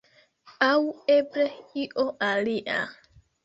Aŭ eble io alia.